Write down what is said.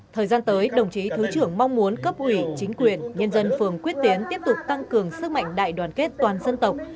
thời gian tới đồng chí thứ trưởng mong muốn cấp ủy chính quyền nhân dân phường quyết tiến tiếp tục tăng cường sức mạnh đại đoàn kết toàn dân tộc